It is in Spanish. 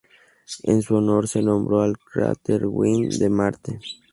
En su honor se nombró al cráter Wien de Marte.